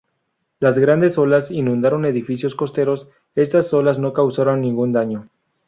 Las grandes olas inundaron edificios costeros; estas olas no causaron ningún daño.